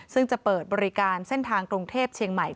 ซึ่งจะเปิดบริการเส้นทางกรุงเทพเชียงใหม่